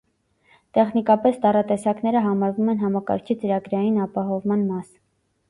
Տեխնիկապես տառատեսակները համարվում են համակարգչի ծրագրային ապահովման մաս։